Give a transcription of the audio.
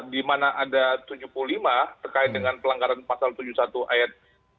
di mana ada tujuh puluh lima terkait dengan pelanggaran pasal tujuh puluh satu ayat